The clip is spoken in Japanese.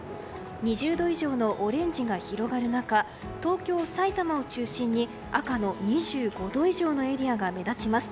２０度以上のオレンジが広がる中東京、さいたまを中心に赤の２５度以上のエリアが目立ちます。